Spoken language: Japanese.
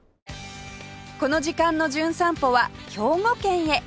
この時間の『じゅん散歩』は兵庫県へ